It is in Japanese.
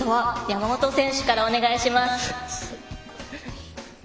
山本選手からお願いします。